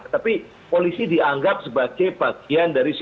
tapi polisi dianggap sebagai bagian dari